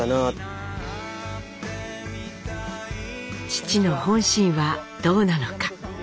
父の本心はどうなのか？